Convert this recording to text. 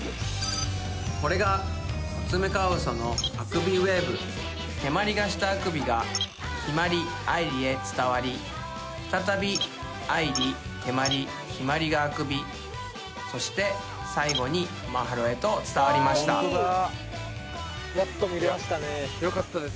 これがコツメカワウソのあくびウェーブてまりがしたあくびがひまりあいりへ伝わり再びあいりてまりひまりがあくびそして最後にマハロへと伝わりましたよかったです